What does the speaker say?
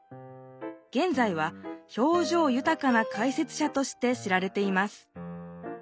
げんざいは表情ゆたかな解説者として知られています